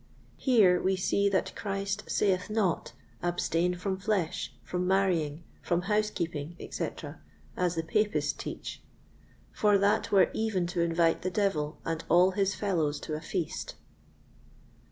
Here we see that Christ saith not, Abstain from flesh, from marrying, from housekeeping, etc., as the Papists teach, for that were even to invite the devil and all his fellows to a feast.